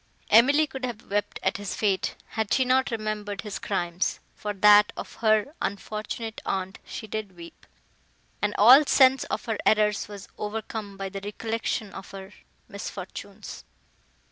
Emily could have wept at his fate, had she not remembered his crimes; for that of her unfortunate aunt she did weep, and all sense of her errors was overcome by the recollection of her misfortunes.